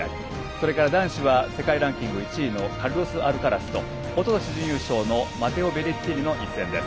それから男子は世界ランキング１位のカルロス・アルカラスとおととし準優勝のマテオ・ベレッティーニの一戦。